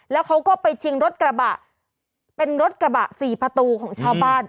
แล้วเขาก็ไปชิงรถกระบะเป็นรถกระบะสี่ประตูของชาวบ้าน